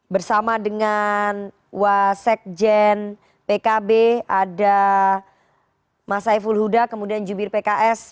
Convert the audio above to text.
bersama dengan wasekjen pkb ada mas saiful huda kemudian jubir pks